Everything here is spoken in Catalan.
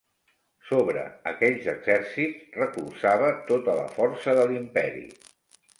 Sobre aquells exèrcits recolzava tota la força de l'imperi.